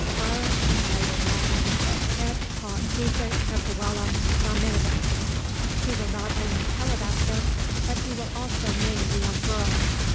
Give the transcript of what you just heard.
Barre replied in Latin, "Et hoc dicet epuellam nominabit" (He will not only tell about him, but he will also name the young girl).